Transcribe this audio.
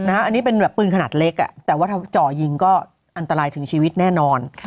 อันนี้เป็นแบบปืนขนาดเล็กแต่ว่าถ้าจ่อยิงก็อันตรายถึงชีวิตแน่นอน